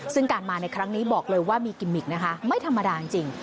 ซึ่งการมาในครั้งนี้บอกเลยว่ามีกิมมิกนะคะไม่ธรรมดาจริง